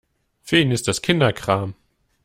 Für ihn ist das Kinderkram.